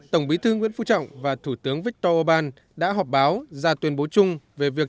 tổng bí thư nguyễn phú trọng và thủ tướng viktor orbán đã họp báo ra tuyên bố chung về việc